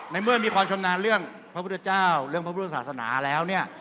เมื่อมีความชำนาญเรื่องพระพุทธเจ้าเรื่องพระพุทธศาสนาแล้วเนี่ย